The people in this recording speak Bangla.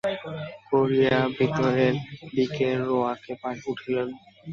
করিয়া ভিতরের দিকের রোয়াকে উঠিলেন।